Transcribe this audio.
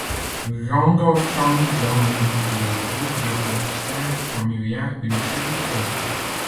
Randolph chante dans le groupe de gospel familial, les Cherry Keys.